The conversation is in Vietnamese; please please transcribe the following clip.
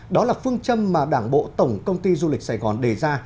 đó là phương châm mà đảng bộ tổng công ty du lịch sài gòn đề ra